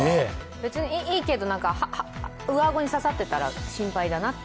別にいいけど、上顎に刺さってたら心配だなって。